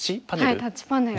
はいタッチパネル。